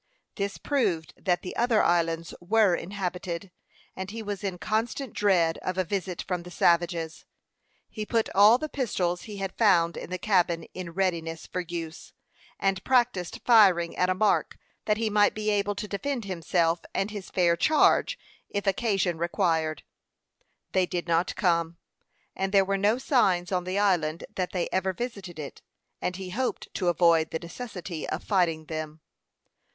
This proved that the other islands were inhabited, and he was in constant dread of a visit from the savages. He put all the pistols he had found in the cabin in readiness for use, and practised firing at a mark, that he might be able to defend himself and his fair charge if occasion required. They did not come, and there were no signs on the island that they ever visited it, and he hoped to avoid the necessity of fighting them.